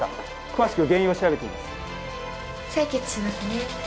採血しますね。